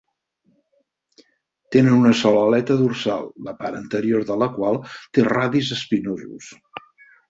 Tenen una sola aleta dorsal, la part anterior de la qual té radis espinosos.